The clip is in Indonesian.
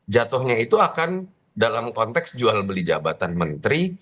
jatuhnya itu akan dalam konteks jual beli jabatan menteri